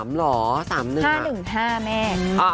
๕๑๕แม่